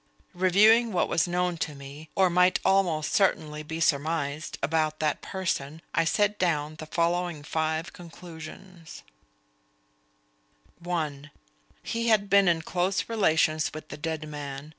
_ Reviewing what was known to me, or might almost with certainty be surmised, about that person, I set down the following five conclusions: (1) He had been in close relations with the dead man.